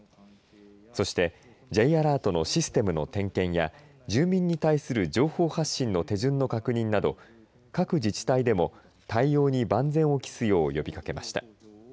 そしてＪアラートのシステムの点検や住民に対する情報発信の手順の確認など各地自治体でも対応に万全を期すよう呼びかけました。